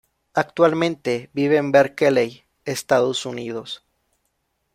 Actualmente vive en Berkeley, Estados Unidos.